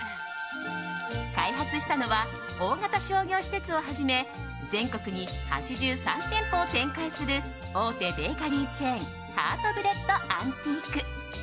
開発したのは大型商業施設をはじめ全国に８３店舗を展開する大手ベーカリーチェーンハートブレッドアンティーク。